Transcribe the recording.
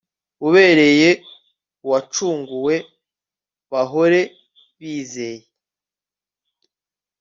ubereye uwacunguwe bahore bizeye